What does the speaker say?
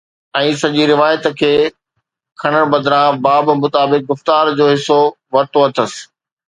۽ سڄي روايت کي کڻڻ بدران باب مطابق گفتار جو حصو ورتو اٿس